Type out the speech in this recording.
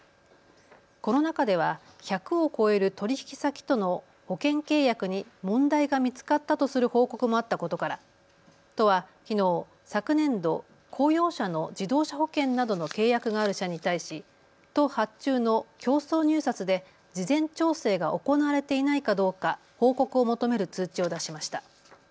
この中では１００を超える取引先との保険契約に問題が見つかったとする報告もあったことから都はきのう昨年度、公用車の自動車保険などの契約がある社に対し都発注の競争入札で事前調整が行われていないかどうか報告を求める通知を出しました。